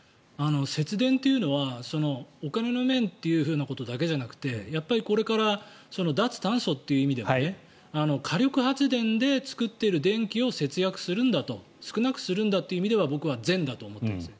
節電というのはお金の面ということだけじゃなくてやっぱりこれから脱炭素という意味でも火力発電で作っている電気を節約するんだと少なくするという意味では僕は善だと思っています。